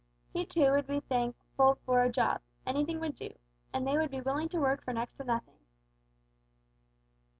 He too would be thankful for a job anything would do, and they would be willing to work for next to nothing.